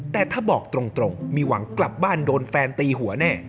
แต่ถ้าบอกตรงมีหวังกลับบ้านโดนแฟนตีหัวแน่